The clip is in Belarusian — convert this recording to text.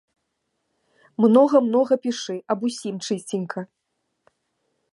Многа-многа пішы, аб усім чысценька.